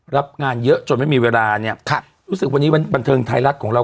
รับงานเยอะจนไม่มีเวลาเนี่ยค่ะรู้สึกวันนี้วันบันเทิงไทยรัฐของเรา